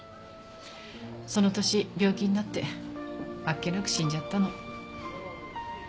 その年病気になってあっけなく死んじゃったの。